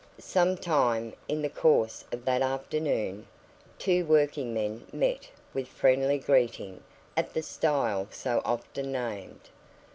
Sometime in the course of that afternoon, two working men met with friendly greeting at the stile so often named.